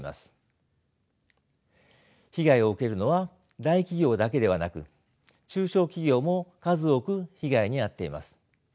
被害を受けるのは大企業だけではなく中小企業も数多く被害に遭っています。